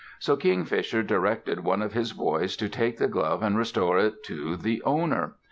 So Kingfisher directed one of his boys to take the glove and restore it to the owner.